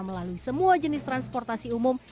melalui semua jenis transportasi umum